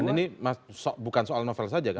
dan ini bukan soal novel saja kan